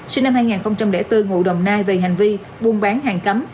sinh năm hai nghìn bốn mù đồng nai vì hành vi buôn bán hàng cấm